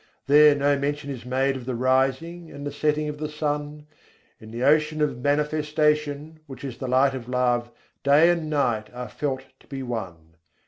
There no mention is made of the rising and the setting of the sun; In the ocean of manifestation, which is the light of love, day and night are felt to be one.